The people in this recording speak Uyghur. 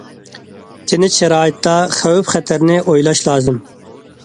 تىنچ شارائىتتا خەۋپ- خەتەرنى ئويلاش لازىم.